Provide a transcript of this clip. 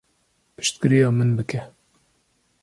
Piştgiriya min bike.